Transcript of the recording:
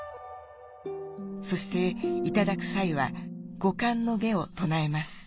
そして頂く際は「五観の偈」を唱えます。